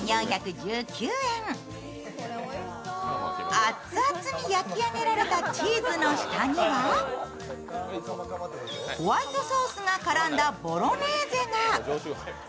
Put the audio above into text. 熱々に焼き上げられたチーズの下には、ホワイトソースが絡んだボロネーゼが。